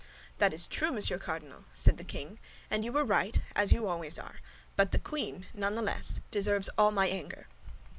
"That is true, Monsieur Cardinal," said the king, "and you were right, as you always are; but the queen, not the less, deserves all my anger."